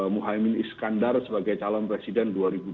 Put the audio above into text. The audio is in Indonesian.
muhyiddin iskandar sebagai calon presiden